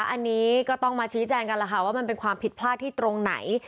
อันนี้ก็ต้องมาชี้แจงกันแล้วค่ะว่ามันเป็นความผิดพลาดที่ตรงไหน